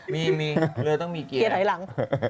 มีเกียร์ไหนหลัง